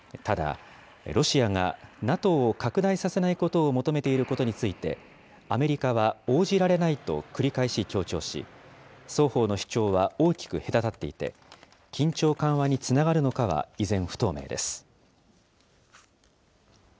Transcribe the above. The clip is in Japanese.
ただ、ロシアがＮＡＴＯを拡大させないことを求めていることについて、アメリカは応じられないと繰り返し強調し、双方の主張は大きく隔たっていて、緊張緩和につながるのかは、依然、不透明です。